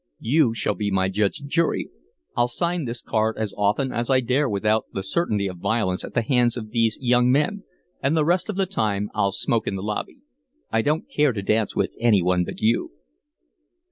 "You shall be my judge and jury. I'll sign this card as often as I dare without the certainty of violence at the hands of these young men, and the rest of the time I'll smoke in the lobby. I don't care to dance with any one but you."